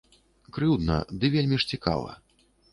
Крыўдна, ды вельмі ж цікава.